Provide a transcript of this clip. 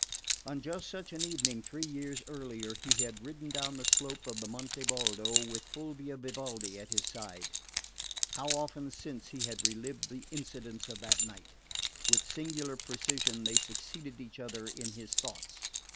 On just such an evening three years earlier he had ridden down the slope of the Monte Baldo with Fulvia Vivaldi at his side. How often, since, he had relived the incidents of that night! With singular precision they succeeded each other in his thoughts.